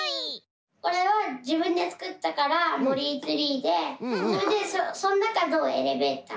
これはじぶんでつくったからもりいツリーでそれでそんなかのエレベーター！